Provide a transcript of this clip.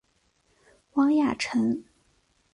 汪亚尘。